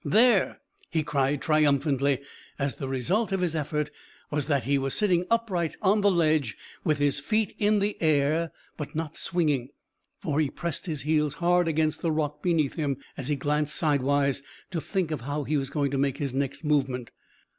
"There," he cried triumphantly, as the result of his effort was that he was sitting upright on the ledge with his feet in the air, but not swinging, for he pressed his heels hard against the rock beneath him, as he glanced sidewise to think of how he was to make his next movement.